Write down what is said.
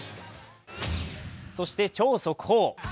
そして超速報。